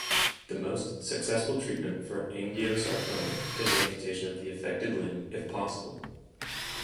The most successful treatment for angiosarcoma is amputation of the affected limb if possible.